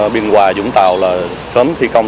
biên hòa vũng tàu là sớm thi công